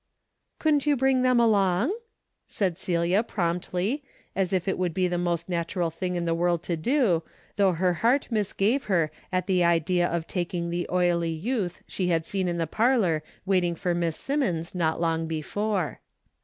"Couldn't you bring them along?" said Celia, promptly, as if it would be the most nat ural thing in the world to do, though her heart misgave her at the idea of taking the oily youth she had seen in the parlor waiting for Miss Simmons not long before. 276 DAILY RATE.